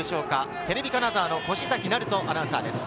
テレビ金沢の越崎成人アナウンサーです。